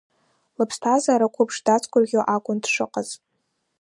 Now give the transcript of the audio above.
Лыԥсҭазаара қәыԥш дацгәырӷьо акәын дшыҟаз.